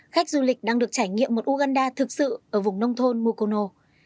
khách du lịch đang được trải nghiệm một uganda thực sự ở vùng nông thôn mukono